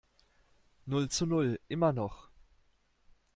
Null zu null, immer noch.